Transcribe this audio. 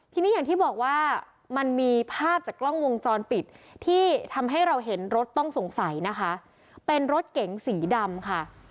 ทีนี้อย่างที่บอกว่ามันมีภาพจากกล้องวงจรปิดที่ทำให้เราเห็นรถต้องสงสัยนะคะเป็นรถเก๋งสีดำค่ะ